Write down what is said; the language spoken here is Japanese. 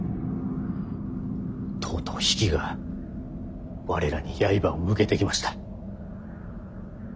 とうとう比企が我らに刃を向けてきました。